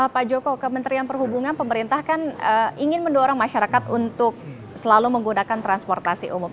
pak joko kementerian perhubungan pemerintah kan ingin mendorong masyarakat untuk selalu menggunakan transportasi umum